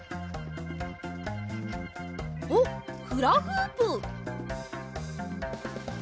おっフラフープ！